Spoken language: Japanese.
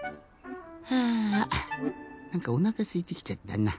はあなんかおなかすいてきちゃったな。